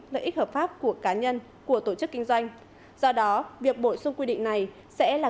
lợi ích hợp pháp của cá nhân của tổ chức kinh doanh do đó việc bổ sung quy định này sẽ là